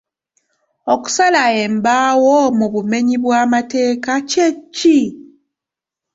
Okusala embaawo mu bumenyi bw'amateeka kye ki?